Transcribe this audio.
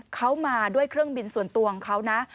เขามาด้วยเครื่องบินส่วนตัวของเขานะ